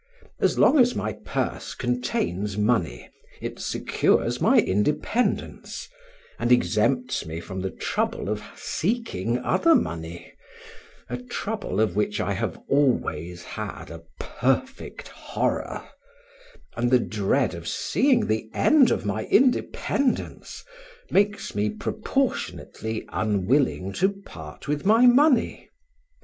As long as my purse contains money it secures my independence, and exempts me from the trouble of seeking other money, a trouble of which I have always had a perfect horror; and the dread of seeing the end of my independence, makes me proportionately unwilling to part with my money.